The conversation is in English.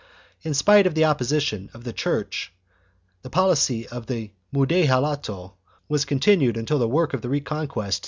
2 In spite of the opposition of the Church the policy of the mudejalato was continued until the work of the Reconquest